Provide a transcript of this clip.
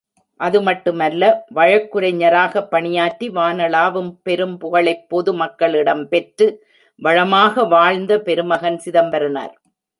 அதுமட்டுமல்ல, வழக்குரைஞராகப் பணியாற்றி வானளாவும் பெரும் புகழைப் பொது மக்களிடம் பெற்று வளமாக வாழ்ந்த பெருமகன் சிதம்பரனார்.